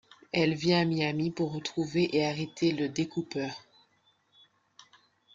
Elle vient à Miami pour retrouver et arrêter le Découpeur.